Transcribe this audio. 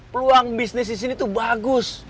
peluang bisnis disini tuh bagus